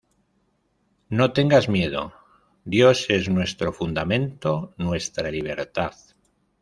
No tengas miedo, Dios es nuestro fundamento, nuestra libertad.